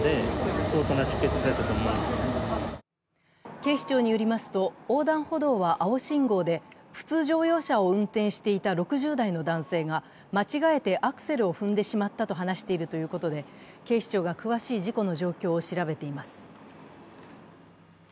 警視庁によりますと、横断歩道は青信号で普通乗用車を運転していた６０代の男性が、間違えてアクセルを踏んでしまったと話しているということで、警視庁が詳しい事故の状況を調べています。